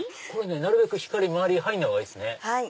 なるべく光入らない方がいいですね。